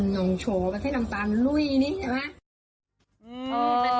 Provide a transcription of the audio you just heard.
น้องโฉไข้น้ำตาลลุ้ยอย่างนี้เห็นไหม